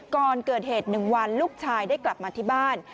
ก่อนเกิดเหตุ๑วันลูกชายได้กลับมาที่บ้าน